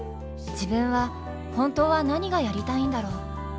自分は本当はなにがやりたいんだろう。